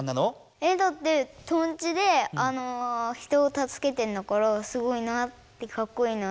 えだってとんちで人をたすけてんだからすごいなかっこいいなって思って。